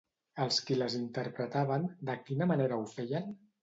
Els qui les interpretaven, de quina manera ho feien?